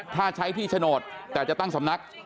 ถ้าใช้ที่โฉนดแต่จะตั้งสำนัก